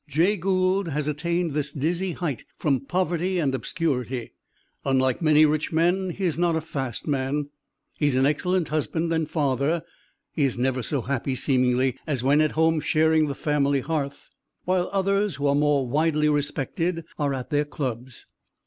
Jay Gould has attained this dizzy height from poverty and obscurity. Unlike many rich men he is not a "fast" man. He is an excellent husband and father; he is never so happy, seemingly, as when at home sharing the family hearth, while others, who are more widely respected, are at their clubs.